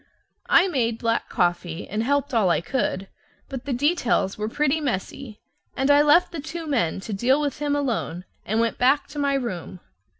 I made black coffee, and helped all I could, but the details were pretty messy, and I left the two men to deal with him alone and went back to my room.